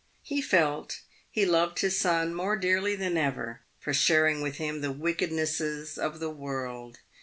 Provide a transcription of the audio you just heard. He felt he loved his son more dearly than ever for sharing with him the wickednesses of the world.